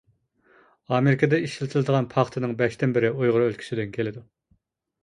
ئامېرىكىدا ئىشلىتىلىدىغان پاختىنىڭ بەشتىن بىرى ئۇيغۇر ئۆلكىسىدىن كېلىدۇ.